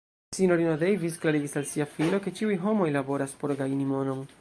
S-ino Davis klarigis al sia filo, ke ĉiuj homoj laboras por gajni monon.